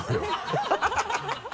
ハハハ